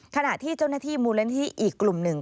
ขณะที่เจ้าหน้าที่มูลนิธิอีกกลุ่มหนึ่ง